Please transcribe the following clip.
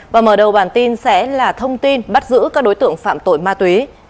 và mở đầu bản tin sẽ là thông tin bắt giữ các đối tượng phạm tội ma túy